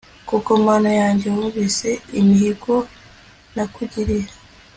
koko, mana yanjye, wumvise imihigo nakugiriye